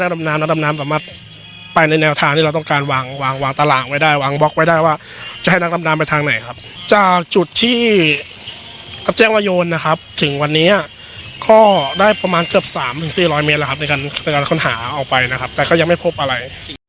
ดำน้ำและดำน้ำสามารถไปในแนวทางที่เราต้องการวางวางวางตารางไว้ได้วางบล็อกไว้ได้ว่าจะให้นักดำน้ำไปทางไหนครับจากจุดที่รับแจ้งว่าโยนนะครับถึงวันนี้ก็ได้ประมาณเกือบสามถึงสี่ร้อยเมตรแล้วครับในการในการค้นหาออกไปนะครับแต่ก็ยังไม่พบอะไร